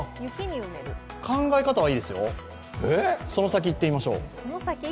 考え方はいいですよ、その先、行ってみましょう。